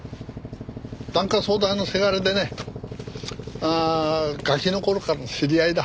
檀家総代のせがれでねああガキの頃からの知り合いだ。